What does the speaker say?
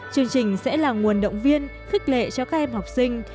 chương trình sẽ là nguồn động viên khích lệ cho các em học sinh